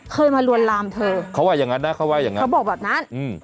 เคยมาลวนลามเธอเขาว่าอย่างงั้นนะเขาว่าอย่างงั้นเขาบอกแบบนั้นอืม